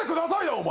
お前。